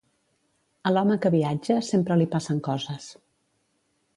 A l'home que viatja, sempre li passen coses.